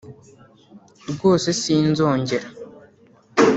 rwose sinzongera